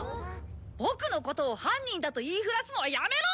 ボクのことを犯人だと言いふらすのはやめろ！